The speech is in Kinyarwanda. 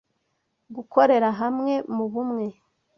Gukorera hamwe mubumwe